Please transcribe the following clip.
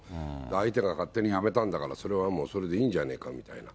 相手が勝手にやめたんだから、それはもうそれでいいんじゃないかみたいな。